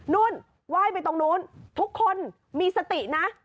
นู่นไหว้ไปตรงนู้นทุกคนมีสตินะ